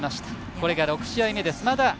これが６試合目です。